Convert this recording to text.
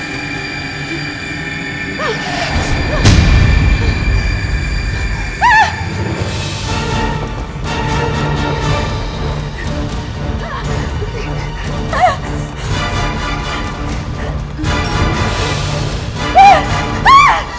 jangan bunuh saya